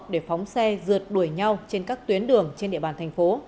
để phóng xe rượt đuổi nhau trên các tuyến đường trên địa bàn thành phố